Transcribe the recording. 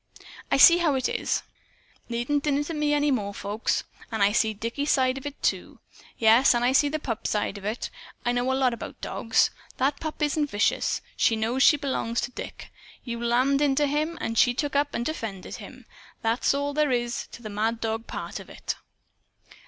I see how it is. Needn't din it at me any more, folks. And I see Dicky's side of it, too. Yes, and I see the pup's side of it. I know a lot about dogs. That pup isn't vicious. She knows she belongs to Dick. You lammed into him, and she took up and defended him. That's all there is to the 'mad dog' part of it."